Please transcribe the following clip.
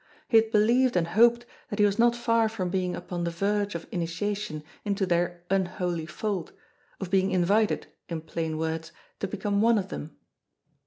He had believed and hoped that he was not far from being upon the verge of initiation into their unholy fold, of being invited, in plain words, to become one of them.